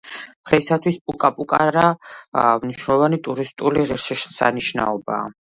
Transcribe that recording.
დღეისათვის პუკა-პუკარა მნიშვნელოვანი ტურისტული ღირსშესანიშნაობაა.